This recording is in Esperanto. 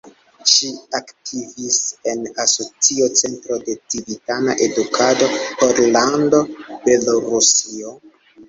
Ŝi aktivis en Asocio Centro de Civitana Edukado Pollando-Belorusio.